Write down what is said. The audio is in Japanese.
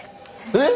えっ！？